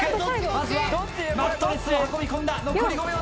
まずはマットレスを運び込んだ残り５秒だ。